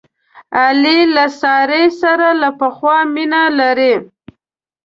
علي له سارې سره له پخوا مینه لرله.